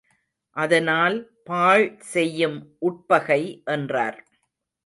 அதனால் பாழ் செய்யும் உட்பகை என்றார்.